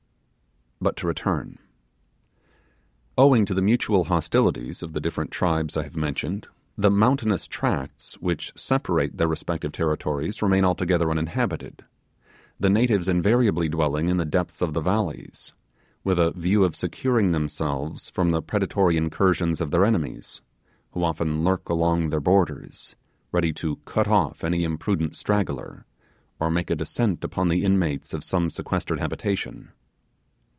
But to return. Owing to the mutual hostilities of the different tribes I have mentioned, the mountainous tracts which separate their respective territories remain altogether uninhabited; the natives invariably dwelling in the depths of the valleys, with a view of securing themselves from the predatory incursions of their enemies, who often lurk along their borders, ready to cut off any imprudent straggler, or make a descent upon the inmates of some sequestered habitation.